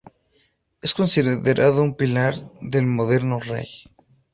Es considerado un pilar del moderno raï.